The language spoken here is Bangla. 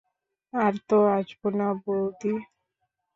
আর তো আসব না বৌ।